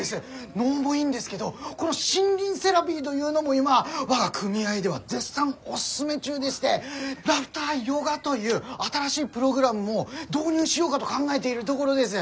能もいいんですけどこの森林セラピーというのも今我が組合では絶賛おすすめ中でしてラフターヨガという新しいプログラムを導入しようかど考えているところです。